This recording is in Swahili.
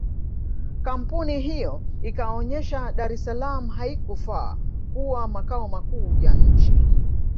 Kampuni hiyo ikaonesha Dar es salaam haikufaa kuwa makao makuu ya nchi